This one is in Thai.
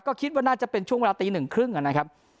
ก็คิดว่าน่าจะเป็นช่วงเวลาตีหนึ่งครึ่งนะครับ